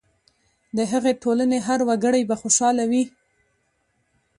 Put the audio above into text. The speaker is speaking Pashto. د هغې ټولنې هر وګړی به خوشاله وي.